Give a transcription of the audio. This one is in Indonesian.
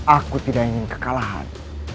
aku tidak ingin kekalahan